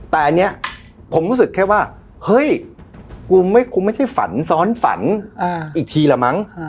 แต่อันนี้ผมรู้สึกแค่ว่าเฮ้ยกูไม่ใช่ฝันซ้อนฝันอีกทีละมั้ง